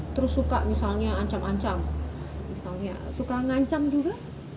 terus suka misalnya ancam ancam misalnya suka ngancam juga